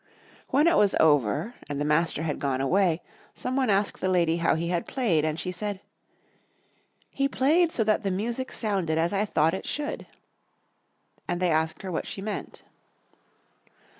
When it was over and the master had gone away, some one asked the lady how he had played, and she said: "He played so that the music sounded as I thought it should." And they asked her what she meant.